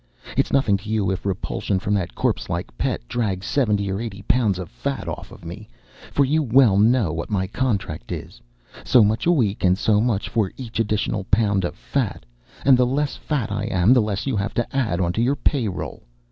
It's nothin' to you if repulsion from that corpse like Pet drags seventy or eighty pounds of fat off of me, for you well know what my contract is so much a week and so much for each additional pound of fat, and the less fat I am the less you have to add onto your pay roll.